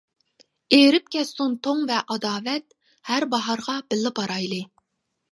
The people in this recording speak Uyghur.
ئېرىپ كەتسۇن توڭ ۋە ئاداۋەت ھەر باھارغا بىللە بارايلى.